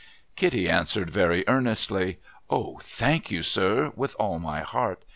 ' Kitty answered very earnestly, ' O ! Thank you, sir, with all my heart !